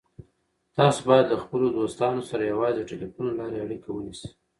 تاسو باید له خپلو دوستانو سره یوازې د ټلیفون له لارې اړیکه ونیسئ.